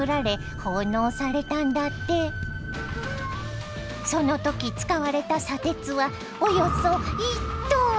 動乱のその時使われた砂鉄はおよそ１トン！